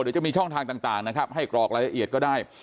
เดี๋ยวจะมีช่องทางต่างนะครับให้กรอกรายละเอียดก็ได้